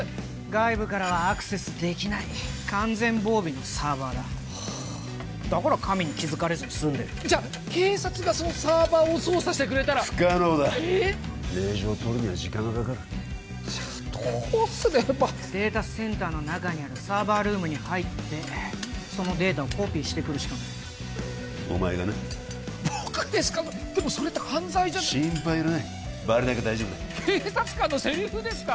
外部からはアクセスできない完全防備のサーバーだだから神に気付かれずにすんでるじゃ警察がそのサーバーを捜査してくれたら不可能だええっ令状を取るには時間がかかるじゃあどうすればデータセンターの中にあるサーバールームに入ってそのデータをコピーしてくるしかないお前がな僕ですかでもそれって犯罪じゃ心配いらないバレなきゃ大丈夫だ警察官のセリフですか！